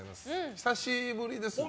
久しぶりですね。